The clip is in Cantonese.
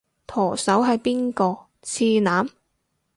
舵手係邊個？次男？